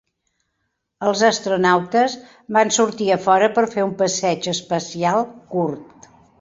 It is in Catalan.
Els astronautes van sortir a fora per fer un passeig espacial curt.